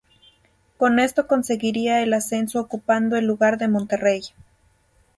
Con esto conseguiría el ascenso ocupando el lugar de Monterrey.